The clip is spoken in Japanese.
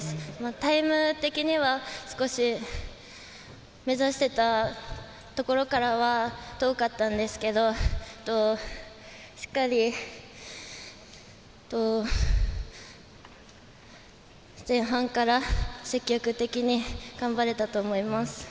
タイム的には、少し目指してたところからは遠かったんですけどしっかり前半から積極的に頑張れたと思います。